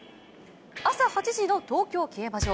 朝８時の東京競馬場。